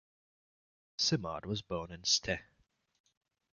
Simard was born in Ste.